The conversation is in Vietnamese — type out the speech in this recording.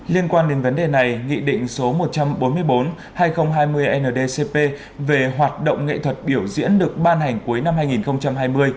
liên quan đến vấn đề này nghị định số một trăm bốn mươi bốn hai nghìn hai mươi ndcp về hoạt động nghệ thuật biểu diễn được ban hành cuối năm hai nghìn hai mươi